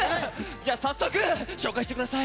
じゃあ早速紹介してください。